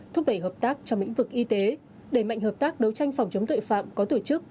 thúc đẩy hợp tác trong lĩnh vực y tế đẩy mạnh hợp tác đấu tranh phòng chống tội phạm có tổ chức